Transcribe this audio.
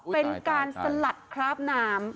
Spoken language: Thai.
เป็นการสะหรัตคลาบน้ำ